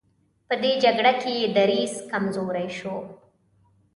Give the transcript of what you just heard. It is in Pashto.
په دې جګړه کې یې دریځ کمزوری شو.